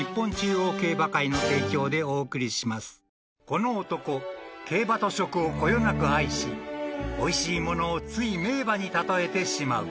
［この男競馬と食をこよなく愛しおいしいものをつい名馬に例えてしまう］